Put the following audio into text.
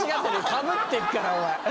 かぶってるからおい。